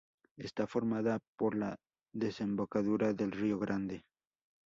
Está formada por la desembocadura del río Grande.